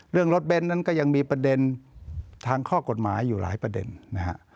เรื่องรถเบนท์นั้นก็ยังมีประเด็นทางข้อกฎหมายอยู่หลายประเด็นนะฮะ